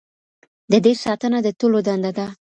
د دې ساتنه د ټولو دنده ده.